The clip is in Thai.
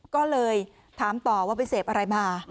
ก็เลยถามต่อว่าไปเสพอะไรมา